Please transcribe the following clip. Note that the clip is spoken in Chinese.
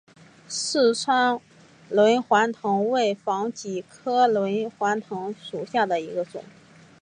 四川轮环藤为防己科轮环藤属下的一个种。